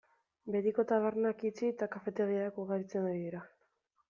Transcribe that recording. Betiko tabernak itxi eta kafetegiak ugaritzen ari dira.